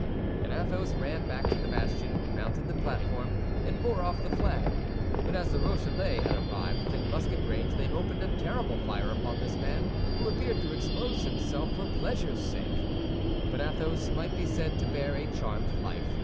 And Athos ran back to the bastion, mounted the platform, and bore off the flag; but as the Rochellais had arrived within musket range, they opened a terrible fire upon this man, who appeared to expose himself for pleasure's sake. But Athos might be said to bear a charmed life.